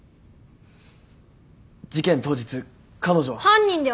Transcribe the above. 事件当日彼女は。